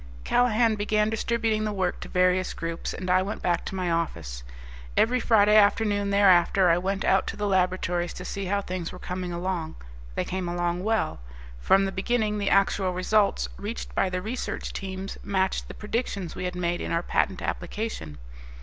Callahan began distributing the work to various groups, and I went back to my office. Every Friday afternoon thereafter I went out to the laboratories to see how things were coming along. They came along well. From the beginning the actual results reached by the research teams matched the predictions we had made in our patent application.